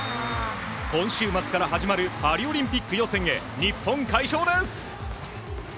今週末から始まるパリオリンピック予選へ日本、快勝です。